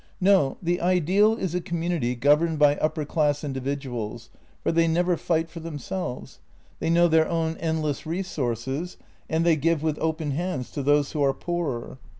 "No, the ideal is a community governed by upper class in dividuals, for they never fight for themselves; they know their own endless resources, and they give with open hands to those who are poorer.